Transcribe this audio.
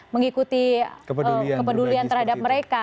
mengikuti kepedulian terhadap mereka